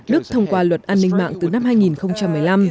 đức thông qua luật an ninh mạng từ năm hai nghìn một mươi năm